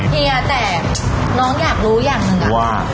เฮียแต่น้องอยากรู้อย่างไหนนะ